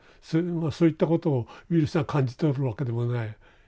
そういったことをウイルスが感じ取るわけでもない。